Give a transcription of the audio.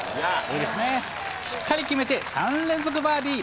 しっかり決めて、３連続バーディー。